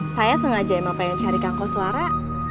saya sengaja emang pengen cari kang koswara